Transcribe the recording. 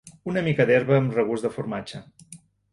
Una mica d'herba amb regust de formatge.